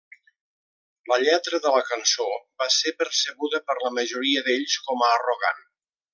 La lletra de la cançó va ser percebuda per la majoria d'ells com a arrogant.